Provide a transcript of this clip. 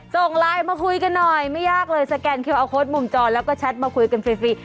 ส่งไลน์มาคุยกันหน่อยไม่ยากเลยสแกนคิวเอาโค้ดมุมจอแล้วก็แชทมาคุยกันฟรี